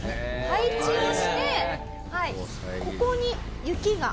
配置をしてここに雪が。